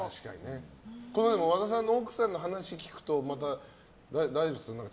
和田さんの奥さんの話聞くと大丈夫ですか？